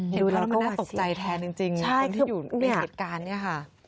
ดูแล้วก็น่าตกใจแทนจริงคนที่อยู่ในเหตุการณ์เนี่ยค่ะ